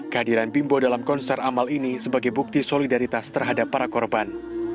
kehadiran bimbo dalam konser amal ini sebagai bukti solidaritas terhadap para korban